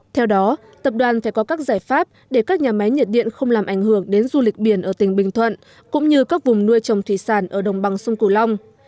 theo đó tập đoàn phải có các giải pháp để các nhà máy nhiệt điện không làm ảnh hưởng đến du lịch biển ở tỉnh bình thuận cũng như các vùng nuôi trồng thủy sản ở đồng bằng sông cửu long